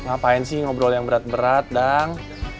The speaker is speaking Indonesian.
ngapain sih ngobrol yang berat berat dan